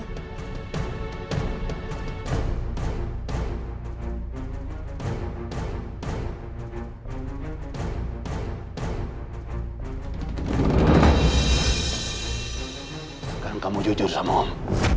sekarang kamu jujur sama om